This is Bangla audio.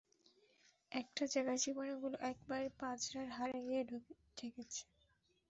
একটা জায়গায় জীবাণুগুলো একেবারে পাজরার হাড়ে গিয়ে ঠেকেছে।